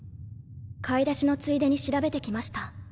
買い出しのついでに調べてきました。